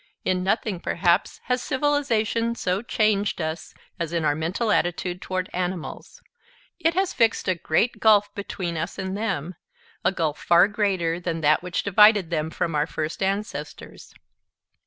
In nothing, perhaps, has civilization so changed us as in our mental attitude toward animals. It has fixed a great gulf between us and them a gulf far greater than that which divided them from our first ancestors.